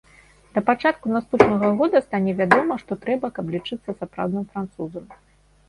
Да пачатку наступнага года стане вядома, што трэба, каб лічыцца сапраўдным французам.